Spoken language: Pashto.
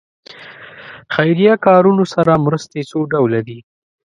خیریه کارونو سره مرستې څو ډوله دي.